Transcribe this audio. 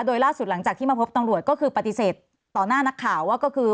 โดยล่าสุดหลังจากที่มาพบตำรวจก็คือปฏิเสธต่อหน้านักข่าวว่าก็คือ